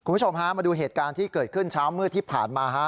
คุณผู้ชมฮะมาดูเหตุการณ์ที่เกิดขึ้นเช้ามืดที่ผ่านมาฮะ